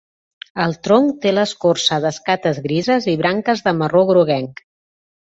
El tronc té l'escorça d'escates grises i branques de marró groguenc.